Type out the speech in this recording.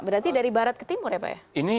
berarti dari barat ke timur ya pak ya